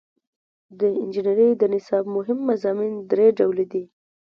د انجنیری د نصاب مهم مضامین درې ډوله دي.